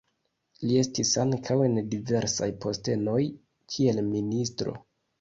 Li estis ankaŭ en diversaj postenoj kiel ministro.